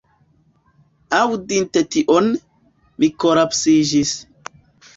Aŭdinte tion, mi kolapsiĝis.